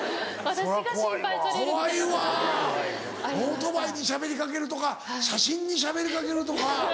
オートバイにしゃべりかけるとか写真にしゃべりかけるとか。